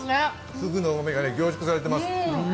フグのうまみが凝縮されています。